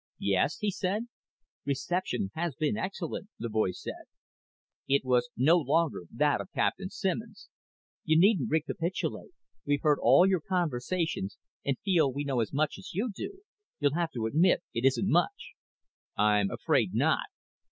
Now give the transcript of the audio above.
"Yes?" he said. "Reception has been excellent," the voice said. It was no longer that of Captain Simmons. "You needn't recapitulate. We've heard all your conversations and feel we know as much as you do. You'll have to admit it isn't much." "I'm afraid not.